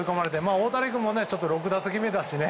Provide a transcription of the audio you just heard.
大谷君も６打席目だしね